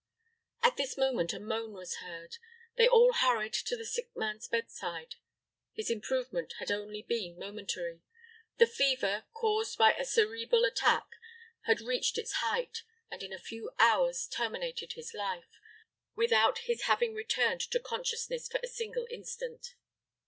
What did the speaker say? At this moment a moan was heard; they all hurried to the sick man's bedside. His improvement had been only momentary; the fever, caused by a cerebral attack, had reached its height, and in a few hours terminated his life, without his having returned to consciousness for a single instant.